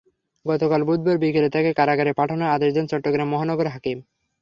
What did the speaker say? গতকাল বুধবার বিকেলে তাঁকে কারাগারে পাঠানোর আদেশ দেন চট্টগ্রাম মহানগর হাকিম।